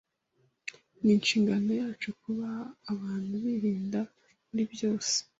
Ni inshingano yacu kuba abantu birinda muri byose.